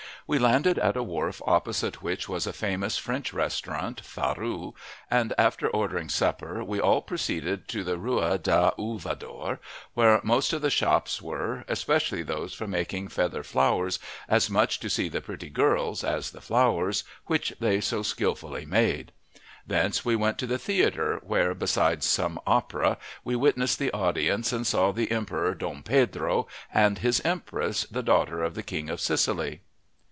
We landed at a wharf opposite which was a famous French restaurant, Farroux, and after ordering supper we all proceeded to the Rua da Ouvador, where most of the shops were, especially those for making feather flowers, as much to see the pretty girls as the flowers which they so skillfully made; thence we went to the theatre, where, besides some opera, we witnessed the audience and saw the Emperor Dom Pedro, and his Empress, the daughter of the King of Sicily.